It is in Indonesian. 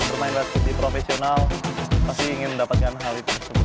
yang bermain basket di profesional pasti ingin mendapatkan hal itu